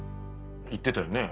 言ってたよね？